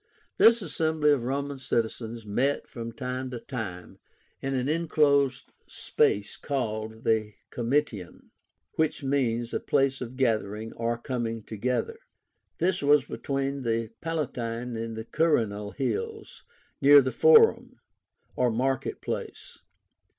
This assembly of Roman citizens met, from time to time, in an enclosed space called the COMITIUM, which means a place of gathering or coming together. This was between the Palatine and Quirínal hills near the FORUM, or market place.